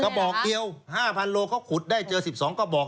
กระบอกเดียว๕๐๐โลเขาขุดได้เจอ๑๒กระบอก